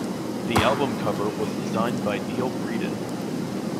The album cover was designed by Neil Breeden.